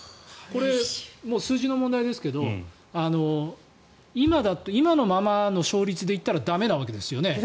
数字の問題ですが今のままの勝率でいったら駄目なわけですよね。